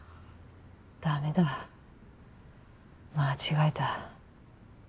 駄目だ間違えた。